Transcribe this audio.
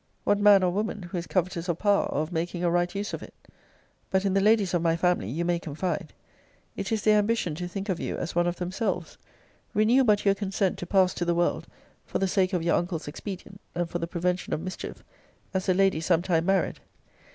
What man or woman, who is covetous of power, or of making a right use of it? But in the ladies of my family you may confide. It is their ambition to think of you as one of themselves. Renew but your consent to pass to the world, for the sake of your uncle's expedient, and for the prevention of mischief, as a lady some time married.